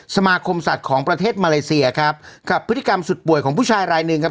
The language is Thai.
สมาคมสัตว์ของประเทศมาเลเซียครับกับพฤติกรรมสุดป่วยของผู้ชายรายหนึ่งครับ